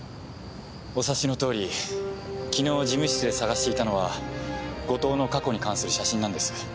お察しの通り昨日事務室で捜していたのは後藤の過去に関する写真なんです。